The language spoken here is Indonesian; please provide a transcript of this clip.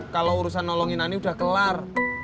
kalau urusan nolongin ani udah kelar